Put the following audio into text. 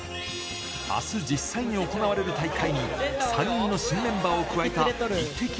あす、実際に行われる大会に、３人の新メンバーを加えたイッテＱ！